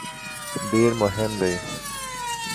ډېر مهم دی.